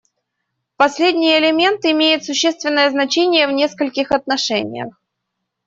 Последний элемент имеет существенное значение в нескольких отношениях.